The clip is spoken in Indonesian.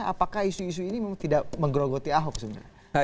apakah isu isu ini memang tidak menggerogoti ahok sebenarnya